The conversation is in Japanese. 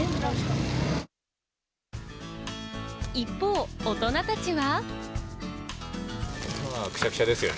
一方、大人たちは。